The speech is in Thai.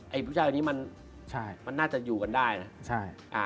ไอ้ผู้ชายตรงนี้มันน่าจะอยู่กันได้นะ